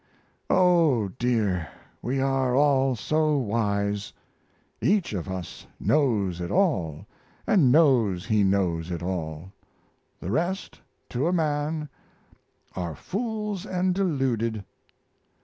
Oh, dear, we are all so wise! Each of us knows it all, and knows he knows it all the rest, to a man, are fools and deluded.